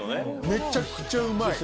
めちゃくちゃうまい。